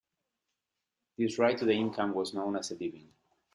This right to the income was known as a "living".